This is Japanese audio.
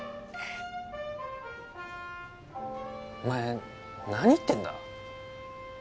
お前何言ってんだ？